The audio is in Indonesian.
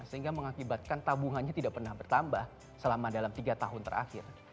sehingga mengakibatkan tabungannya tidak pernah bertambah selama dalam tiga tahun terakhir